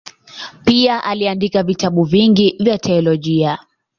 Pia aliandika vitabu vingi vya teolojia.